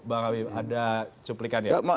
ada cuplikan ya